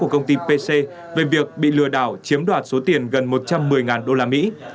của công ty pc về việc bị lừa đảo chiếm đoạt số tiền gần một trăm một mươi đô la mỹ